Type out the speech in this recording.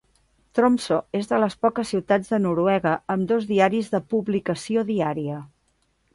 Tromsø és de les poques ciutats de Noruega amb dos diaris de publicació diària.